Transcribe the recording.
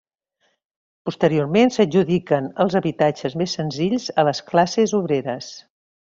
Posteriorment s'adjudiquen els habitatges més senzills a les classes obreres.